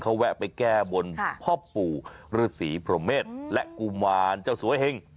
เขาแวะไปแก้บนพ่อปู่ฤษีพรหมเมษและกุมารเจ้าสวยเห็ง